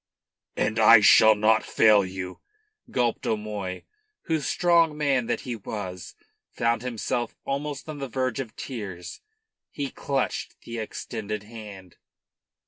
"And I shall not fail you," gulped O'Moy, who, strong man that he was, found himself almost on the verge of tears. He clutched the extended hand.